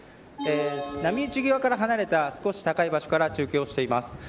波打ち際から離れた少し高い場所から中継をしています。